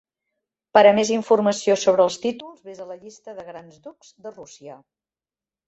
Per a més informació sobre els títols vés a la llista de grans ducs de Rússia.